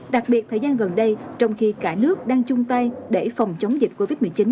đặc biệt thời gian gần đây trong khi cả nước đang chung tay để phòng chống dịch covid một mươi chín